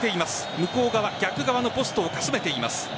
向こう側逆側のポストをかすめています。。